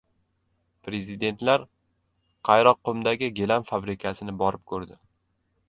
Prezidentlar Qayroqqumdagi gilam fabrikasini borib ko‘rdi